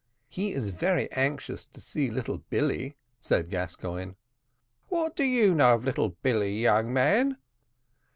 "He's very anxious to see little Billy," said Gascoigne. "What do you know of little Billy, young man?"